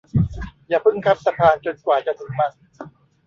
อย่าพึ่งข้ามสะพานจนกว่าจะถึงมัน